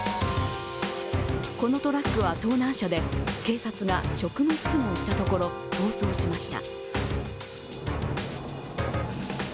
このトラックは盗難車で、警察が職務質問したところ逃走しました。